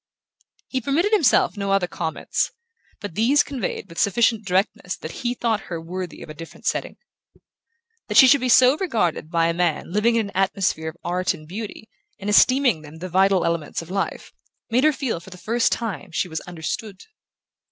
He permitted himself no other comments, but these conveyed with sufficient directness that he thought her worthy of a different setting. That she should be so regarded by a man living in an atmosphere of art and beauty, and esteeming them the vital elements of life, made her feel for the first time that she was understood.